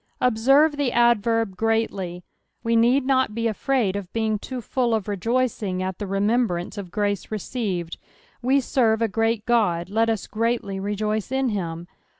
Observe the adverb " greatly," we need not be alrud of being too full of rcjoiring at the remembrance of grace received. We ■erre a great Ood, let ue greatly rejoice in him.